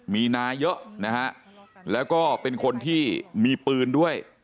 มีนายเยอะนะฮะแล้วก็เป็นคนที่มีปืนด้วย